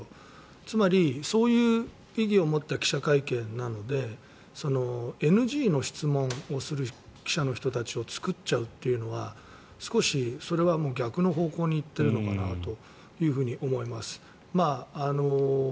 つまり、そういう意義を持った記者会見なのでＮＧの質問をする記者の人たちを作っちゃうというのは少しそれは逆の方向に行っているのかなと思います。